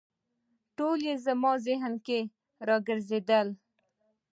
ټولې یې زما ذهن کې وګرځېدلې.